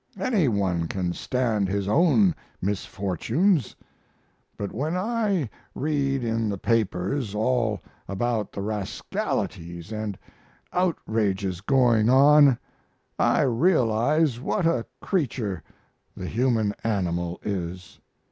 Any one can stand his own misfortunes; but when I read in the papers all about the rascalities and outrages going on I realize what a creature the human animal is.